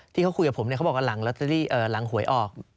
ที่เขาคุยกับผมเนี่ยเขาบอกว่าหลังหวยออก